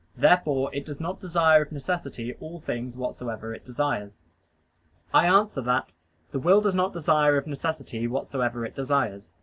Therefore it does not desire of necessity all things whatsoever it desires. I answer that, The will does not desire of necessity whatsoever it desires.